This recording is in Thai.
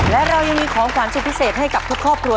และเรายังมีของขวัญสุดพิเศษให้กับทุกครอบครัว